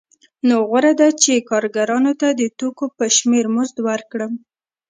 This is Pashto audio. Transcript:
نو غوره ده چې کارګرانو ته د توکو په شمېر مزد ورکړم